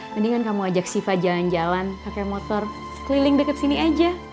mendingan kamu ajak siva jalan jalan pakai motor keliling dekat sini aja